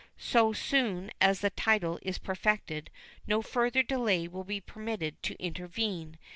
So soon as the title is perfected no further delay will be permitted to intervene.